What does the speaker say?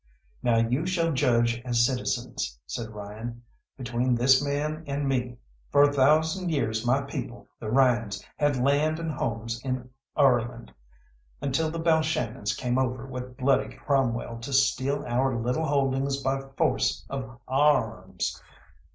"Now you shall judge as citizens," said Ryan, "between this man and me. For a thousand years my people, the Ryans, had land and homes in Oireland, until the Balshannons came over with bloody Cromwell to steal our little holdings by force of ar r ms.